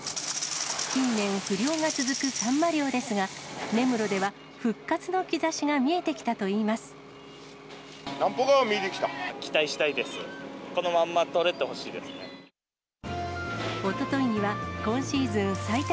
近年、不漁が続くサンマ漁ですが、根室では復活の兆しが見えてきたなんぼか見えてきた。